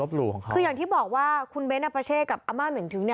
เออลบหลู่ของเขาคืออย่างที่บอกว่าคุณเบ้นอัปเช่กับอาม่าเหม่งทึ้งเนี้ย